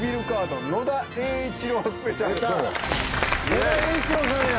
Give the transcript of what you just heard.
野田栄一郎さんや。